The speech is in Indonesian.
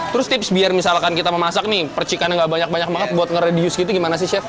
terus tips biar misalkan kita memasak nih percikannya gak banyak banyak banget buat ngeredius gitu gimana sih chef